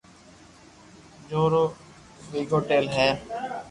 جو رو ويگوتيل ھي